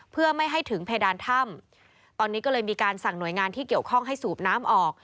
เพื่อไม่ให้ถึงเพดานถ้ำตอนนี้ก็เลยมีการสั่งหน่วยงานที่เกี่ยวข้องให้สูบน้ำออก